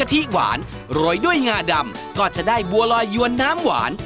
จะดองไหมจะลองไหม